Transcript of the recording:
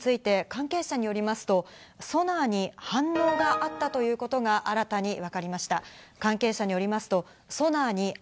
関係者によりますと、ソナーに反応があったことがわかりました。